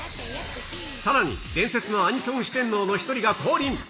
さらに、伝説のアニソン四天王の一人が降臨。